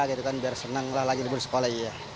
jadi kan biar seneng lah lagi di sekolah